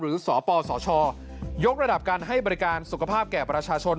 สปสชยกระดับการให้บริการสุขภาพแก่ประชาชน